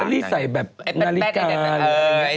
อันนี้ใส่แบบนาฬิกา